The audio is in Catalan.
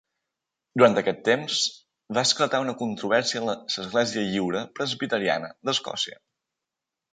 Durant aquest temps, va esclatar una controvèrsia a l'Església Lliure Presbiteriana d'Escòcia.